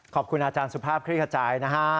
ขอบคุณอาจารย์สุภาพคลิกขจายนะฮะ